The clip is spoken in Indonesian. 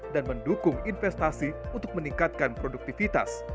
dan mendukung investasi untuk meningkatkan produktivitas